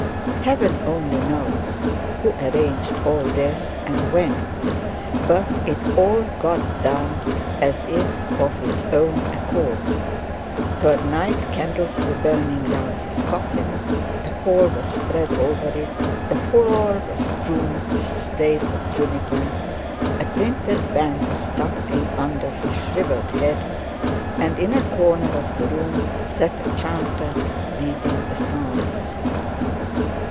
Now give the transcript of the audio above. Heaven only knows who arranged all this and when, but it all got done as if of its own accord. Toward night candles were burning round his coffin, a pall was spread over it, the floor was strewn with sprays of juniper, a printed band was tucked in under his shriveled head, and in a corner of the room sat a chanter reading the psalms.